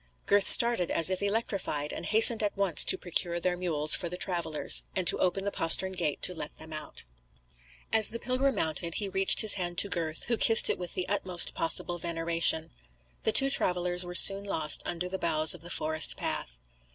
Gurth started as if electrified, and hastened at once to procure their mules for the travellers, and to open the postern gate to let them out. As the pilgrim mounted, he reached his hand to Gurth, who kissed it with the utmost possible veneration. The two travellers were soon lost under the boughs of the forest path.